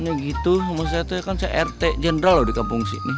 nih gitu sama saya teh kan saya rt jenderal loh di kampung sih